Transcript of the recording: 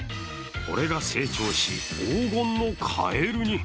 これが成長し、黄金のカエルに。